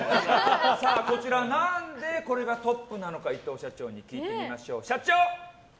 こちら何でこれがトップなのか伊藤社長に聞いてみましょう。